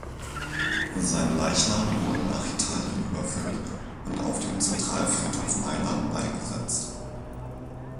Sein Leichnam wurde nach Italien überführt und auf dem Zentralfriedhof Mailand beigesetzt.